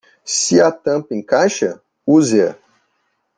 Se a tampa encaixa?, use-a.